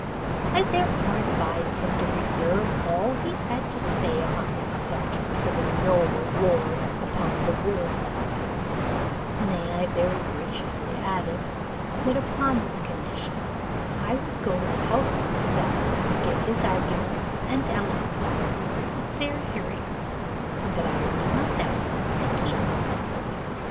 I therefore advised him to reserve all he had to say upon the subject for the noble lord upon the woolsack; nay, I very graciously added, that upon this condition I would go to the house myself to give his arguments and eloquence a fair hearing, and that I would do my best to keep myself awake.